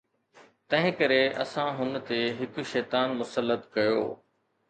تنهنڪري اسان هن تي هڪ شيطان مسلط ڪيو